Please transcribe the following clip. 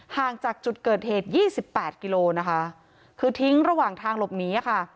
ห่างจากจุดเกิดเหตุยี่สิบแปดกิโลนะคะคือทิ้งระหว่างทางหลบหนีค่ะ